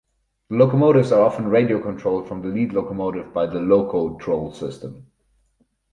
The locomotives are often radio controlled from the lead locomotive by the Locotrol system.